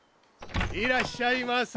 いらっしゃいませ。